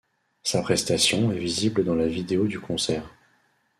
Sa prestation est visible dans la vidéo du concert '.